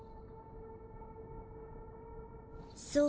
そう